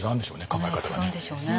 考え方がね。